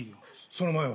その前は？